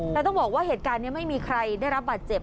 แต่ต้องบอกว่าเหตุการณ์นี้ไม่มีใครได้รับบาดเจ็บ